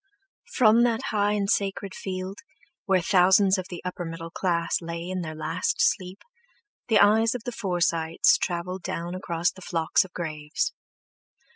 From that high and sacred field, where thousands of the upper middle class lay in their last sleep, the eyes of the Forsytes travelled down across the flocks of graves.